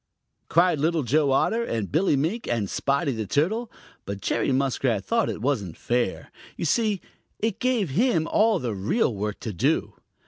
cried Little Joe Otter and Billy Mink and Spotty the Turtle, but Jerry Muskrat thought it wasn't fair. You see, it gave him all of the real work to do.